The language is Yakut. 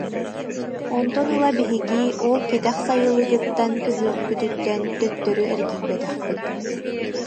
Онтон ыла биһиги ол Кэтэх Сайылыгыттан көһүөхпүтүттэн төттөрү эргийбэтэхпит